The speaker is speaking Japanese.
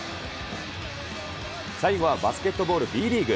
最後はバスケットボール、Ｂリーグ。